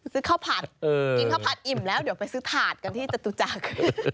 ซื้อข้าวผัดกินข้าวผัดอิ่มแล้วเดี๋ยวไปซื้อถาดกันที่จตุจักร